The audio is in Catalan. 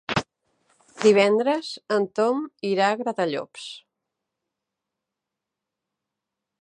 Divendres en Tom irà a Gratallops.